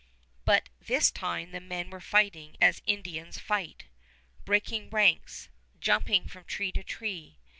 By this time the men were fighting as Indians fight breaking ranks, jumping from tree to tree.